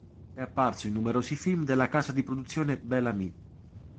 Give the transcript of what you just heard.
È apparso in numerosi film della casa di produzione Bel Ami.